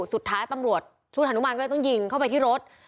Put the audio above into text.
สุดท้ายตำรวจชุดฮานุมานก็เลยต้องยิงเข้าไปที่รถ